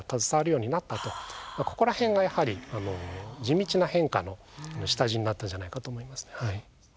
ここら辺がやはり地道な変化の下地になったんじゃないかと思います。